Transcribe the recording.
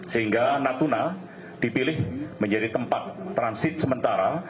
sehingga natuna dipilih menjadi tempat transit sementara